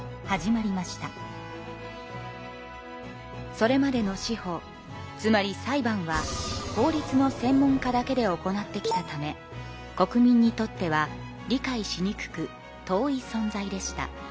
それまでの司法つまり裁判は法律の専門家だけで行ってきたため国民にとっては理解しにくく遠い存在でした。